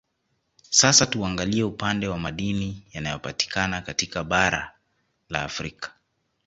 Sasa tuangalie upande wa Madini yanayopatikana katika bara la afrika